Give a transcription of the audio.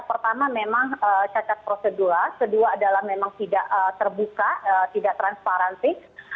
pertama memang cacat prosedural kedua adalah memang tidak terbuka tidak transparansi